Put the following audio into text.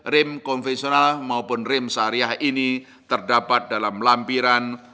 rem konvensional maupun rem syariah ini terdapat dalam lampiran